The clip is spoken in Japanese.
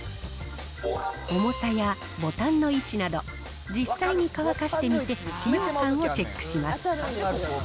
重さやボタンの位置など、実際に乾かしてみて、使用感をチェックします。